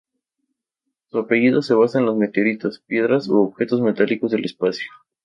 Su apellido se basa en los meteoritos, piedras u objetos metálicos del espacio.